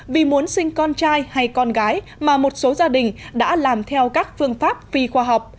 vì muốn sinh con trai hay con gái mà một số gia đình đã làm theo các phương pháp phi khoa học